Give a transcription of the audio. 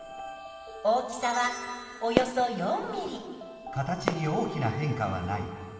大きさはおよそ４ｍｍ。